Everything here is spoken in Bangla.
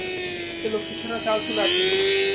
সে-লক্ষ্মীছাড়ার চালচুলো আছে কি।